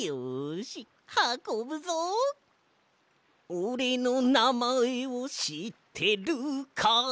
「オレのなまえをしってるかい？」